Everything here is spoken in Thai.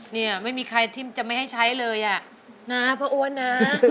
เนี่ยไม่มีใครที่จะไม่ให้ใช้เลยอ่ะนะพ่ออ้วนนะ